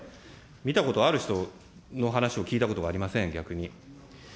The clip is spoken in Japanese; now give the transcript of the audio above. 見たことある人の話を聞いたことがありません、逆に。